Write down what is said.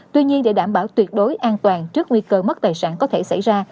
tuy nhiên để đảm bảo tuyệt đối an toàn trước nguy cơ mất tài sản có thể xảy ra